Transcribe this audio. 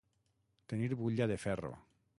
Tenir butlla de ferro.